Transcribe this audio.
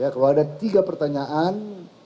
kalau ada tiga pertanyaan